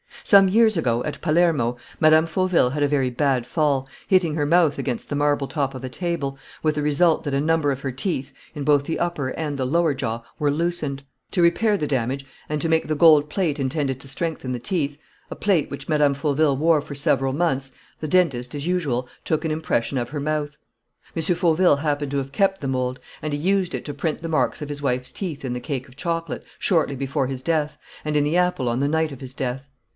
Some years ago, at Palermo, Mme. Fauville had a very bad fall, hitting her mouth against the marble top of a table, with the result that a number of her teeth, in both the upper and the lower jaw, were loosened. To repair the damage and to make the gold plate intended to strengthen the teeth, a plate which Mme. Fauville wore for several months, the dentist, as usual, took an impression of her mouth. "M. Fauville happened to have kept the mould; and he used it to print the marks of his wife's teeth in the cake of chocolate shortly before his death and in the apple on the night of his death.